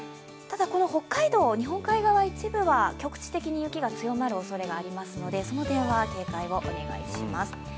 ただ、北海道、日本海側一部は局地的に雪が強まるおそれがありますのでその点は警戒をお願いします。